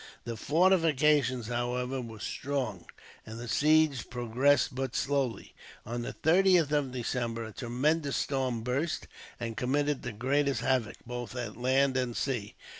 The fortifications, however, were strong, and the siege progressed but slowly. On the 30th of December a tremendous storm burst, and committed the greatest havoc, both at land and sea.